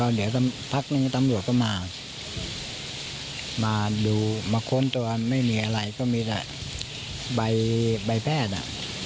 เดี๋ยวสักพักนึงตำรวจก็มามาดูมาค้นตัวไม่มีอะไรก็มีแต่ใบแพทย์อ่ะ